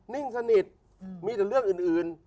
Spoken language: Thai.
นิ่งสนิทมีแต่เรื่องอื่น